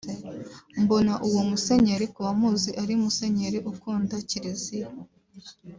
Mbona uwo Musenyeri ku bamuzi ari umusenyeri ukunda kiliziya